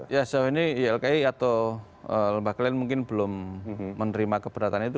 ya sejauh ini ylki atau lembaga lain mungkin belum menerima keberatan itu